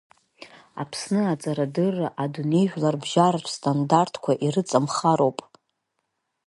Аԥсны аҵарадырра адунеижәларбжьаратә стандартқәа ирыҵамхароуп.